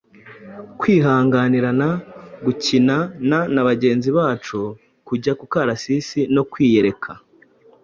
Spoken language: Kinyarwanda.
kwihanganirana, gukina na bagenzi bacu, kujya ku karasisi no kwiyereka,